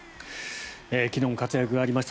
昨日も活躍がありました。